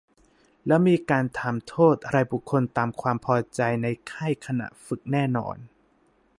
แล้วมีการทำโทษรายบุคคลตามความพอใจในค่ายขณะฝึกแน่นอน